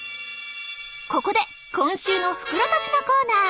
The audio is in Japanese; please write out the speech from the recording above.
ここで「今週の袋とじ」のコーナー！